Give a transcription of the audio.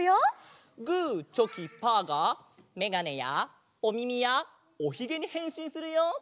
グーチョキパーがめがねやおみみやおひげにへんしんするよ！